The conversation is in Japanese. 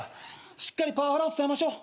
しっかりパワハラを伝えましょう。